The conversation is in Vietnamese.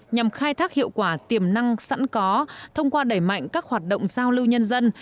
nhằm khai thác hiệu quả tiềm năng sẵn có thông qua đẩy mạnh các hoạt động giao lưu nhân dân